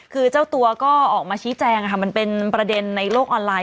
คือเจ้าตัวก็ออกมาชี้แจงมันเป็นประเด็นในโลกออนไลน